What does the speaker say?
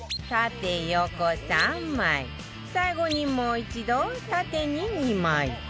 最後にもう一度縦に２枚